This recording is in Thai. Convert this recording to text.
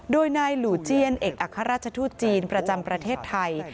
โดยนายหลูเจียนเอกอัครราชทูตจีนประจำประเทศไทย